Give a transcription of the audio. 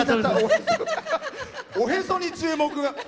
おへそに注目。